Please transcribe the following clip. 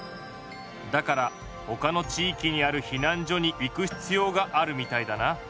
だからほかの地いきにある避難所に行くひつようがあるみたいだな。